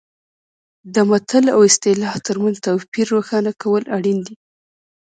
د متل او اصطلاح ترمنځ توپیر روښانه کول اړین دي